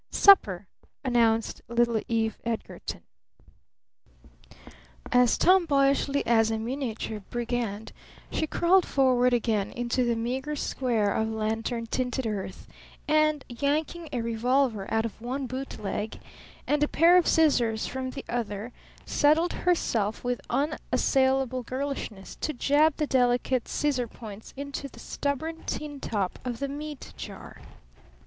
"Supper," announced little Eve Edgarton. As tomboyishly as a miniature brigand she crawled forward again into the meager square of lantern tinted earth and, yanking a revolver out of one boot leg and a pair of scissors from the other, settled herself with unassailable girlishness to jab the delicate scissors points into the stubborn tin top of the meat jar.